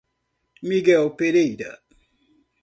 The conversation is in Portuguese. Miguel Pereira